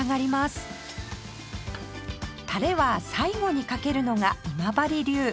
タレは最後にかけるのが今治流